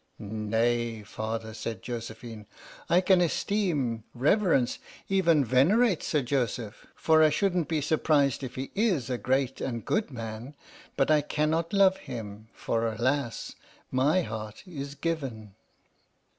" Nay, father," said Josephine, " I can esteem, reverence, even venerate Sir Joseph, for I shouldn't be surprised if he is a great and good man, but I cannot love him, for, alas! my heart is given!"